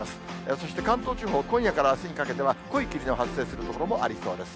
そして関東地方、今夜からあすにかけては、濃い霧が発生する所もありそうです。